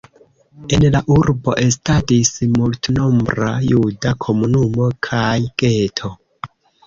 En la urbo estadis multnombra juda komunumo kaj geto.